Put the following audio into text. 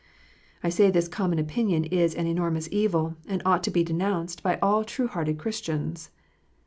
I say this common opinion is an enormous evil, and ought to be denounced by all true hearted Christians.